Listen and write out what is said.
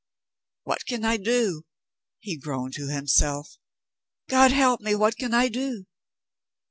'What can I do?' he groaned to himself. 'God help me, what can I do?'